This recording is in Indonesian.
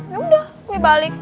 yaudah gue balik